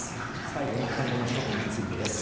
最後に今後の処分についてです。